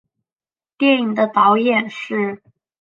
电影的导演是。